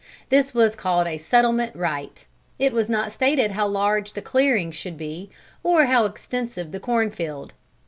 This was called a settlement right. It was not stated how large the clearing should be, or how extensive the corn field.